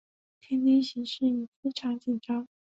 天津形势已经非常紧张。